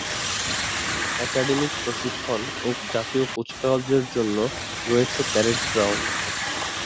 একাডেমির প্রশিক্ষণ ও জাতীয় কুচকাওয়াজের জন্য রয়েছে প্যরেড গ্রাউন্ড।